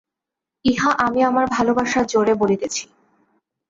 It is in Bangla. ইহা আমি আমার ভালোবাসার জোরে বলিতেছি।